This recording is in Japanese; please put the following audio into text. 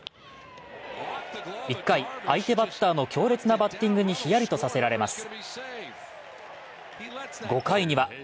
１回、相手バッターの強烈なバッティングにひやりとさせられます。